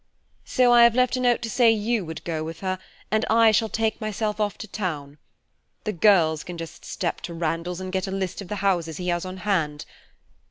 So I have left a note to say you would go with her, and I shall take myself off to town. The girls can just step to Randall's and get a list of the houses he has on hand.